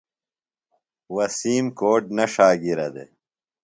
وسیم کوٹ نہ ݜا گِرہ دےۡ۔